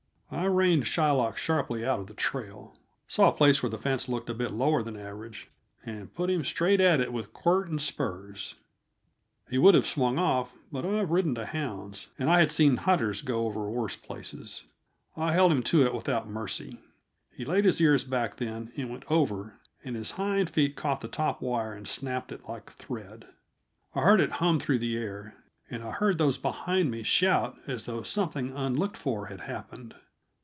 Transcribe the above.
I reined Shylock sharply out of the trail, saw a place where the fence looked a bit lower than the average, and put him straight at it with quirt and spurs. He would have swung off, but I've ridden to hounds, and I had seen hunters go over worse places; I held him to it without mercy. He laid back his ears, then, and went over and his hind feet caught the top wire and snapped it like thread. I heard it hum through the air, and I heard those behind me shout as though something unlooked for had happened.